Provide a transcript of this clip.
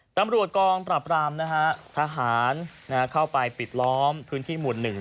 ตำรวจกองปราบรามนะฮะทหารเข้าไปปิดล้อมพื้นที่หมู่๑